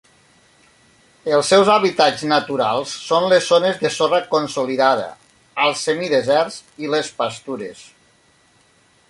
Els seus hàbitats naturals són les zones de sorra consolidada als semideserts i les pastures.